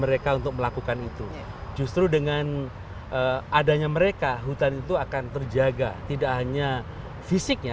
mereka untuk melakukan itu justru dengan adanya mereka hutan itu akan terjaga tidak hanya fisiknya